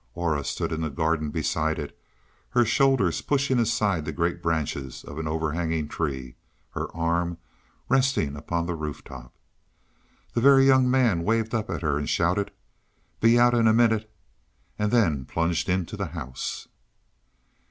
Aura stood in the garden beside it, her shoulders pushing aside the great branches of an overhanging tree, her arm resting upon the roof top. The Very Young Man waved up at her and shouted: "Be out in a minute," and then plunged into the house.